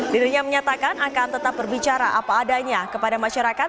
dirinya menyatakan akan tetap berbicara apa adanya kepada masyarakat